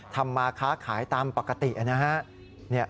ทำมาค้าขายตามปกตินะฮะ